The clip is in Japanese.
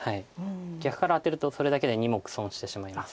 逆からアテるとそれだけで２目損してしまいますので。